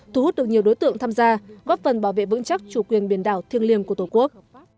thu hút được nhiều đối tượng tham gia góp phần bảo vệ vững chắc chủ quyền biển đảo thiêng liêng của tổ quốc